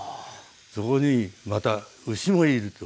そこにまた牛もいると。